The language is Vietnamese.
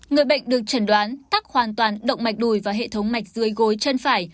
người bệnh được chẩn đoán tắc hoàn toàn động mạch đùi và hệ thống mạch dưới gối chân phải